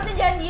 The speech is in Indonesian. gak mau tahu